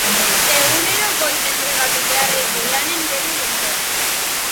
Egunero goiz entregatu beharreko lanen berri genuen.